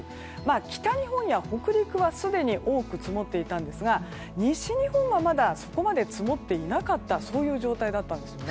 北日本や北陸はすでに多く積もっていたんですが西日本はまだそこまで積もっていなかったそういう状態だったんですよね。